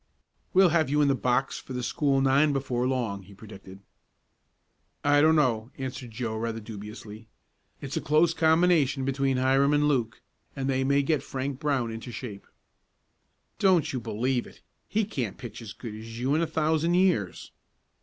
"We'll have you in the box for the school nine before long," he predicted. "I don't know," answered Joe rather dubiously. "It's a close combination between Hiram and Luke, and they may get Frank Brown into shape." "Don't you believe it. He can't pitch as good as you in a thousand years."